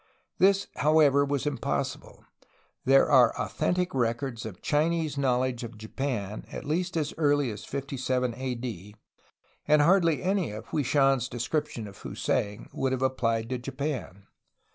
This, however, was impossible. There are authentic records of Chinese knowledge of Japan at least as early as 57 A. D., and hardly any of Hwui Shan's description of Fusang could have applied to Japan.